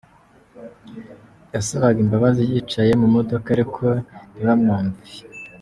Yabasabaga imbabazi yicaye mu modoka ariko ntibamwumve.